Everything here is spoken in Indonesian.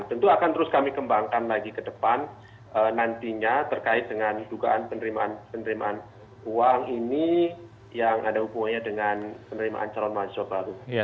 tentu akan terus kami kembangkan lagi ke depan nantinya terkait dengan dugaan penerimaan uang ini yang ada hubungannya dengan penerimaan calon mahasiswa baru